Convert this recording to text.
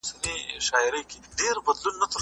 دولت د کار د خوندیتوب لپاره پالیسۍ جوړوي.